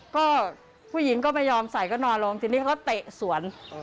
ก็ผู้หญิงก็ไม่ยอมใส่ก็นอนลงทีนี้เขาก็เตะสวน